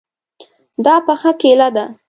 دا پخه کیله ده